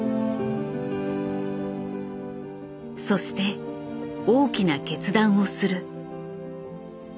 そして大きな決断をする。